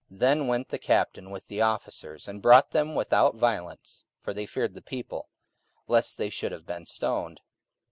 44:005:026 Then went the captain with the officers, and brought them without violence: for they feared the people, lest they should have been stoned.